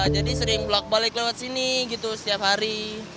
jadi sering bolak balik lewat sini gitu setiap hari